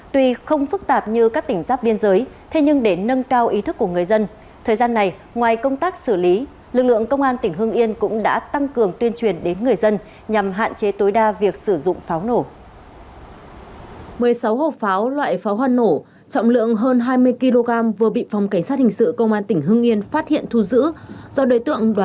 tuy không phức tạp như các tỉnh giáp biên giới thế nhưng để nâng cao ý thức của người dân thời gian này ngoài công tác xử lý lực lượng công an tỉnh hương yên cũng đã tăng cường tuyên truyền đến người dân nhằm hạn chế tối đa việc sử dụng pháo nổ